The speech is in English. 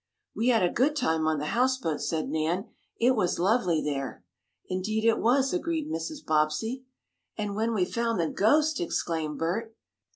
"We had a good time on the houseboat," said Nan. "It was lovely there." "Indeed it was," agreed Mrs. Bobbsey. "And when we found the ghost!" exclaimed Bert.